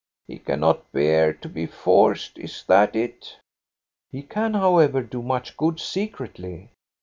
" He cannot bear to be forced, is that it? "" He can however do much good secretly.